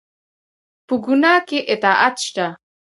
په ګناه کې اطاعت شته؟